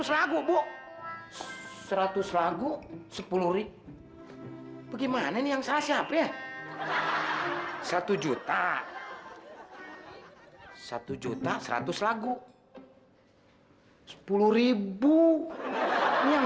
seratus lagu sepuluh ri bagaimana yang salah siap ya satu juta satu juta seratus lagu sepuluh ribu yang